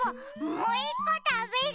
もういっこたべる！